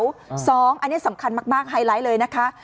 อันนี้สำคัญมากไฮไลท์เลยนะคะ